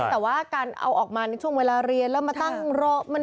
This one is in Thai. แต่ว่าการเอาออกมาในช่วงเวลาเรียนแล้วมาตั้งรอ